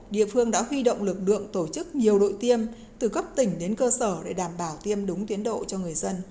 địa phương đã huy động lực lượng tổ chức nhiều đội tiêm từ cấp tỉnh đến cơ sở để đảm bảo tiêm đúng tiến độ cho người dân